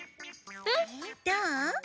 どう？